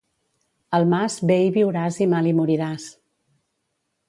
Al mas bé hi viuràs i mal hi moriràs.